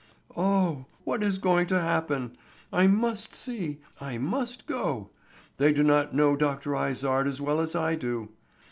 "Oh, what is going to happen? I must see; I must go. They do not know Dr. Izard as well as I do."